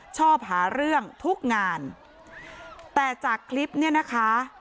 ชอบหาเรื่องทุกงานแต่จากคลิปเนี่ยนะคะ